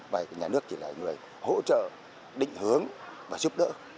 vậy nhà nước chỉ là người hỗ trợ định hướng và giúp đỡ